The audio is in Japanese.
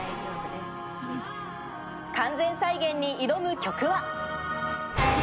完全再現に挑む曲は。